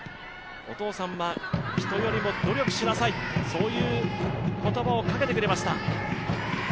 お父さんは人よりも努力しなさい、そういう言葉をかけてくれました。